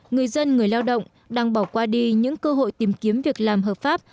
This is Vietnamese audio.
người dân người lao động đang bỏ qua đi những cơ hội tìm kiếm việc làm hợp pháp